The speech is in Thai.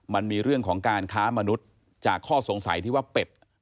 มันมีเรื่องของการค้ามนุษย์จากข้อสงสัยที่ว่าเป็ด